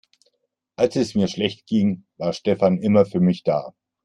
Als es mir schlecht ging, war Stefan immer für mich da.